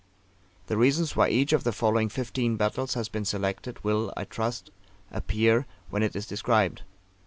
The reasons why each of the following Fifteen Battles has been selected will, I trust, appear when it is described.